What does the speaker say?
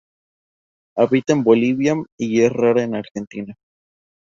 Habita en Bolivia y es rara en Argentina.